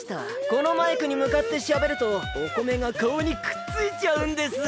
このマイクにむかってしゃべるとおこめがかおにくっついちゃうんです。